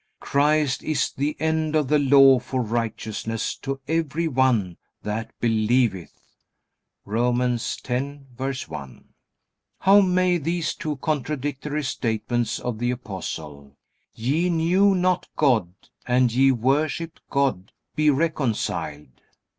"Christ is the end of the law for righteousness to every one that believeth" (Romans 10:1.) How may these two contradictory statements of the Apostle, "Ye knew not God," and "Ye worshipped God," be reconciled?